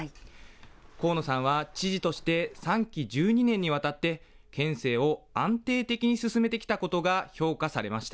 河野さんは知事として３期１２年にわたって県政を安定的に進めてきたことが評価されました。